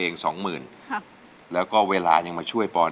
น้องปอนด์ร้องได้ให้ร้อง